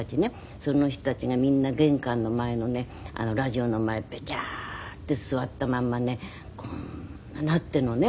その人たちがみんな玄関の前のねラジオの前ベチャーッて座ったまんまねこんななっているのね。